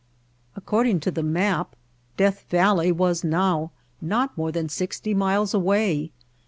According to that map Death Valley was now not more than sixty miles away.